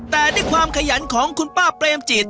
แต่ด้วยความขยันของคุณป้าเปรมจิต